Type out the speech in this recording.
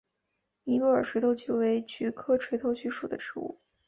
尼泊尔垂头菊为菊科垂头菊属的植物。